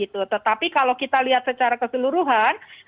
tetapi kalau kita lihat secara keseluruhan